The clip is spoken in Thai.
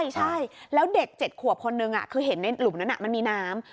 ใช่แล้วเด็ก๗ขวบคนนึงคือเห็นในหลุมนั้นมันมีน้ำ